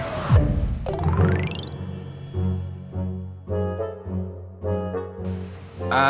pagi pak regan